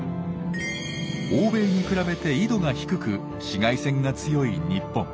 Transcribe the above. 欧米に比べて緯度が低く紫外線が強い日本。